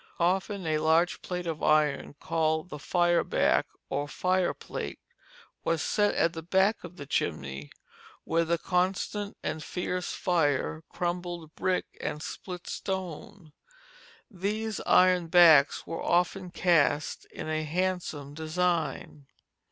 Often a large plate of iron, called the fire back or fire plate, was set at the back of the chimney, where the constant and fierce fire crumbled brick and split stone. These iron backs were often cast in a handsome design.